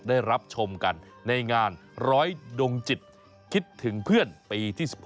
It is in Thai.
ได้รับชมกันในงานร้อยดงจิตคิดถึงเพื่อนปีที่๑๖